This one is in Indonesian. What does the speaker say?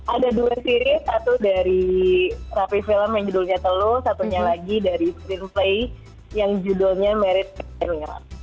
ada dua series satu dari rapi film yang judulnya teluh satunya lagi dari screenplay yang judulnya married pair mirage